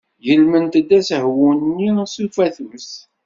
Gelment-d asehwu-nni s ufatus.